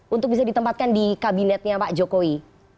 untuk bisa ditempatkan di kabinetnya pak jokowi